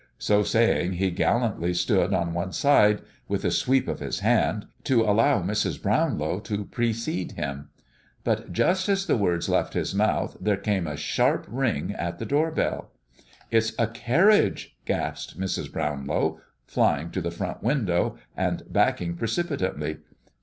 So saying, he gallantly stood on one side, with a sweep of his hand, to allow Mrs. Brownlow to precede him. But just as the words left his mouth there came a sharp ring at the door bell. "It's a carriage!" gasped Mrs. Brownlow, flying to the front window, and backing precipitately.